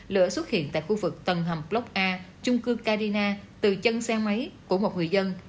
lửa xuất hiện tại khu vực tầng hầm block a chung cư carina từ chân xe máy của một người dân